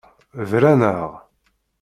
Bran-aɣ.